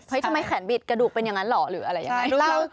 เฮ้ยทำไมแขนบิดกระดูกเป็นอย่างนั้นหรอกหรืออะไรอย่างนั้น